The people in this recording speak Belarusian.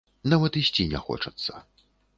Нават ісці не хочацца.